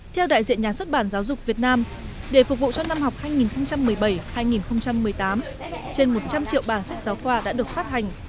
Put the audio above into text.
theo đại diện nhà xuất bản giáo dục việt nam để phục vụ cho năm học hai nghìn một mươi bảy hai nghìn một mươi tám trên một trăm linh triệu bản sách giáo khoa đã được phát hành